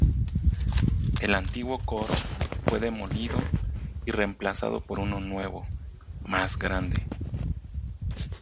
El antiguo coro fue demolido y reemplazado por uno nuevo, más grande.